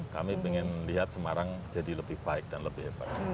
kami ingin lihat semarang jadi lebih baik dan lebih hebat